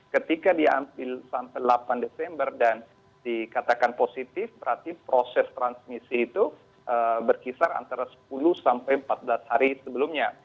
ketika diambil sampai delapan desember dan dikatakan positif berarti proses transmisi itu berkisar antara sepuluh sampai empat belas hari sebelumnya